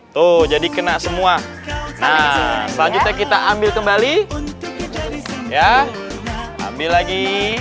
tuh jadi kena semua nah selanjutnya kita ambil kembali ya ambil lagi